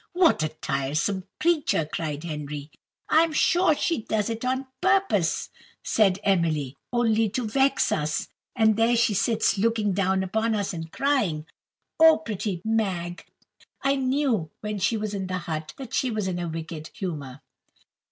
"What a tiresome creature!" cried Henry. "I am sure she does it on purpose," said Emily, "only to vex us; and there she sits looking down upon us, and crying, 'Oh, pretty Mag!' I knew, when she was in the hut, that she was in a wicked humour."